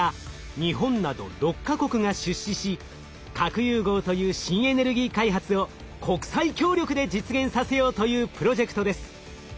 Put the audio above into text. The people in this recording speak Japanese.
日本など６か国が出資し核融合という新エネルギー開発を国際協力で実現させようというプロジェクトです。